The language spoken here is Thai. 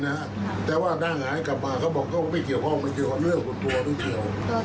ผมให้ตังค์ยังไม่อยากเอาเลย